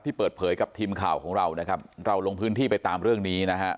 เปิดเผยกับทีมข่าวของเรานะครับเราลงพื้นที่ไปตามเรื่องนี้นะฮะ